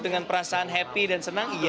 dengan perasaan happy dan senang iya